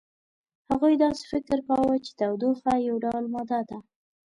هغوی داسې فکر کاوه چې تودوخه یو ډول ماده ده.